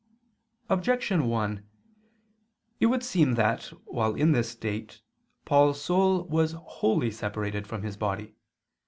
Objection 1: It would seem that, while in this state, Paul's soul was wholly separated from his body.